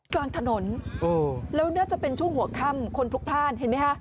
กลางถนนแล้วน่าจะเป็นช่วงหัวค่ำคนพลุกพลาดเห็นไหมฮะ